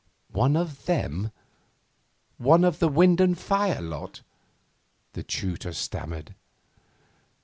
'One of them? One of the wind and fire lot?' the tutor stammered.